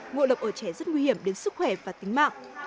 ngộ độc ở trẻ rất nguy hiểm đến sức khỏe và tính mạng